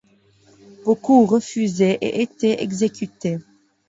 Beaucoup refusaient et étaient exécutés.